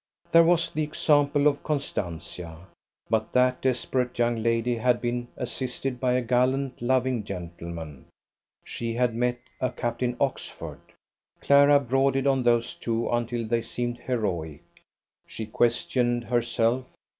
There was the example of Constantia. But that desperate young lady had been assisted by a gallant, loving gentleman; she had met a Captain Oxford. Clara brooded on those two until they seemed heroic. She questioned herself.